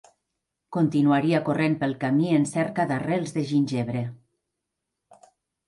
Continuaria corrent pel camí en cerca d'arrels de gingebre.